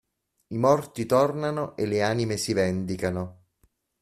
I morti tornano e le anime si vendicano!